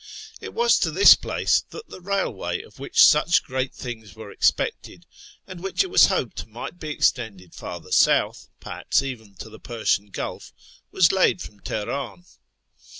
It was to this place that the railway of which such great things were expected, and which it was hoped might be ex tended farther south — perhaps even to the Persian Gulf — was laid from Teller;! n.